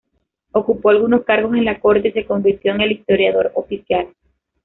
Ocupó algunos cargos en la corte y se convirtió en historiador oficial.